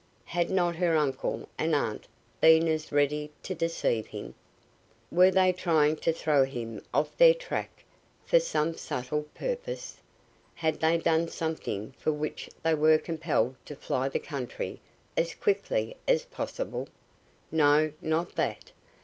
Had not her uncle and aunt been as ready to deceive him? Were they trying to throw him off their track for some subtle purpose? Had they done something for which they were compelled to fly the country as quickly as possible? No! Not that!